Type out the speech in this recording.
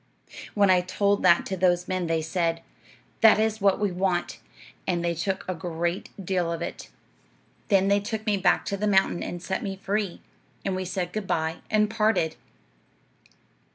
"When I told that to those men they said, 'That is what we want;' and they took a great deal of it. "Then they took me back to the mountain and set me free; and we said good bye and parted.